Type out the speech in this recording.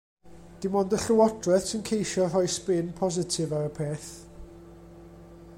Dim ond y Llywodraeth sy'n ceisio rhoi sbin positif ar y peth.